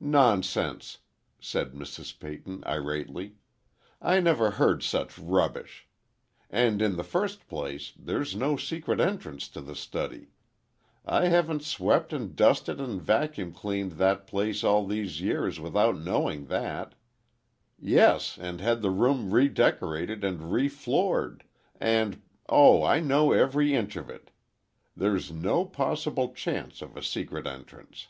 "Nonsense!" said Mrs. Peyton, irately; "I never heard such rubbish! And, in the first place, there's no secret entrance to the study. I haven't swept and dusted and vacuum cleaned that place all these years without knowing that! Yes, and had the room redecorated and refloored, and—Oh, I know every inch of it! There's no possible chance of a secret entrance.